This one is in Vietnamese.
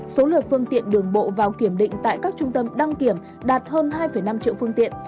số lượt phương tiện đường bộ vào kiểm định tại các trung tâm đăng kiểm đạt hơn hai năm triệu phương tiện